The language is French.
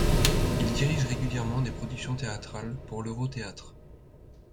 Il dirige régulièrement des productions théâtrales pour le Ro Theatre.